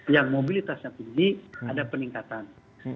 yang mobilitasnya tinggi ada peningkatan